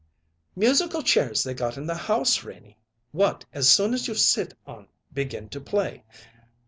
"Musical chairs they got in the house, Renie, what, as soon as you sit on, begin to play.